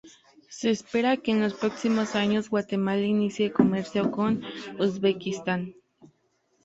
Se espera que en los próximos años, Guatemala inicie comercio con Uzbekistán.